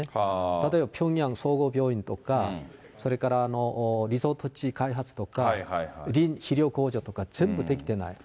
例えばピョンヤン総合病院とか、それからリゾート地開発とか、肥料工場とか、全部できてない。